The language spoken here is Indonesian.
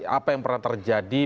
apa yang pernah terjadi